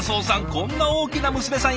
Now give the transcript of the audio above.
こんな大きな娘さん